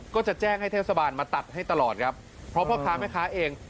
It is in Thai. ก็จะแจ้งให้เทศบาลมาตัดให้ตลอดครับเพราะพ่อค้าแม่ค้าเอง